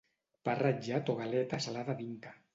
pa ratllat o galeta salada d'Inca